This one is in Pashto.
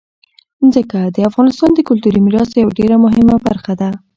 ځمکه د افغانستان د کلتوري میراث یوه ډېره مهمه برخه ده.